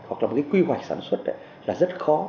hoặc là một cái quy hoạch sản xuất là rất khó